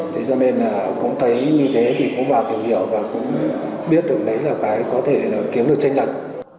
thế cho nên là cũng thấy như thế thì cũng vào tìm hiểu và cũng biết được đấy là cái có thể kiếm được tranh lệch